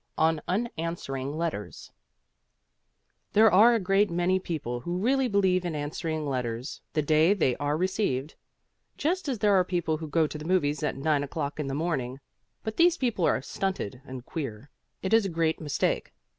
ON UNANSWERING LETTERS There are a great many people who really believe in answering letters the day they are received, just as there are people who go to the movies at 9 o'clock in the morning; but these people are stunted and queer. It is a great mistake.